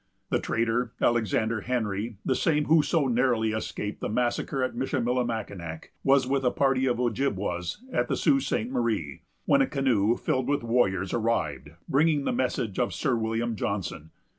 The trader, Alexander Henry, the same who so narrowly escaped the massacre at Michillimackinac, was with a party of Ojibwas at the Sault Ste. Marie, when a canoe, filled with warriors, arrived, bringing the message of Sir William Johnson.